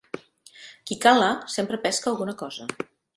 Qui cala, sempre pesca alguna cosa.